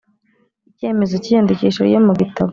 Icyemezo cy iyandikisha ryo mu gitabo